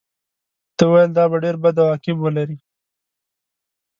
ده ویل دا به ډېر بد عواقب ولري.